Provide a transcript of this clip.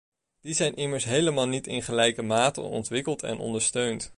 Die zijn immers helemaal niet in gelijke mate ontwikkeld en ondersteund.